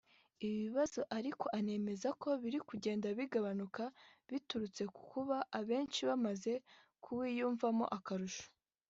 Ibi bibazo ariko anemeza ko biri kugenda bigabanuka biturutse ku kuba abenshi bamaze kuwiyumvamo akarusho